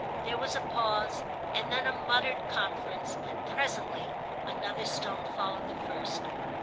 There was a pause, and then a muttered conference, and presently another stone followed the first.